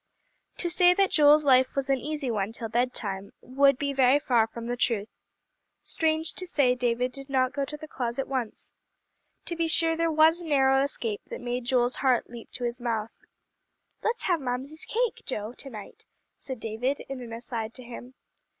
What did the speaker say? To say that Joel's life was an easy one till bedtime, would be very far from the truth. Strange to say, David did not go to the closet once. To be sure, there was a narrow escape that made Joel's heart leap to his mouth. "Let's have Mamsie's cake, Joe, to night," said David in an aside to him.